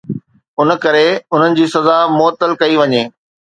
ان ڪري انهن جي سزا معطل ڪئي وڃي.